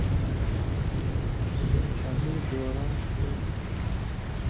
آں مِیں دوراں ݜُون٘یلیۡ